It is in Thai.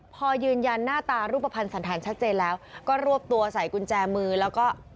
พอยืนยันหน้าตารูปภัณฑ์สันธารชัดเจนแล้วก็รวบตัวใส่กุญแจมือแล้วก็